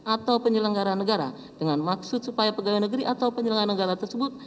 atau penyelenggara negara dengan maksud supaya pegawai negeri atau penyelenggara negara tersebut